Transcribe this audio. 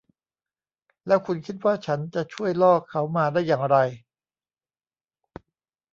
แล้วคุณคิดว่าฉันจะช่วยล่อเขามาได้อย่างไร ?